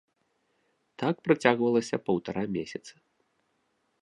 Так працягвалася паўтара месяца.